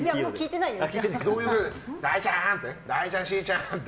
だいちゃん、しーちゃんって。